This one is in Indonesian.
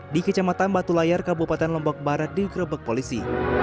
di kecamatan batu layar kabupaten lombok barat digerebek polisi